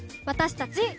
私たち。